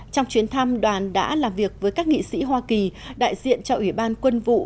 trong chuyến thăm đoàn đã làm việc với các nghị sĩ hoa kỳ đại diện cho ủy ban quân vụ